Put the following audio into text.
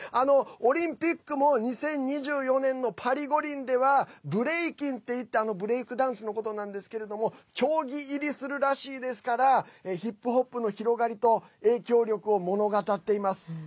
オリンピックも２０２４年のパリ五輪ではブレイキンっていってブレイクダンスのことなんですが競技入りするらしいですからヒップホップの広がりと影響力を物語っています。